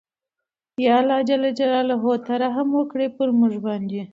ېاالله ته رحم وکړې پرموګ باندې